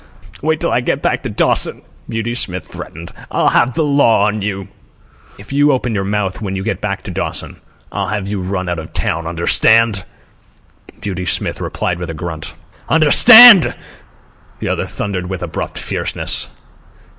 "Wait till I get back to Dawson," Beauty Smith threatened. "I'll have the law on you." "If you open your mouth when you get back to Dawson, I'll have you run out of town. Understand?" Beauty Smith replied with a grunt. "Understand?" the other thundered with abrupt fierceness.